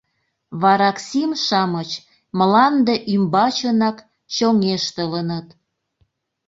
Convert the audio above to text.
Вараксим-шамыч мланде ӱмбачынак чоҥештылыныт.